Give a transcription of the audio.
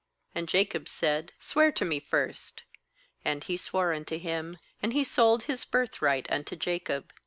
And Jacob said :' Swear to me first* and he swore unto him; and he sold his birthright unto Jacob.